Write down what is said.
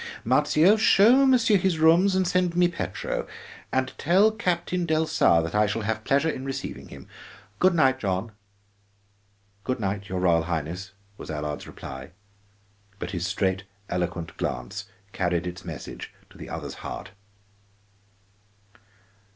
Marzio, show monsieur his rooms and send me Petro. And tell Captain Delsar that I shall have pleasure in receiving him. Good night, John." "Good night, your Royal Highness," was Allard's reply, but his straight eloquent glance carried its message to the other's heart.